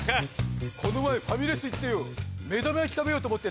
この前ファミレス行ってよ目玉焼き食べようと思って